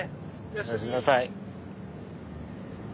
おやすみなさい。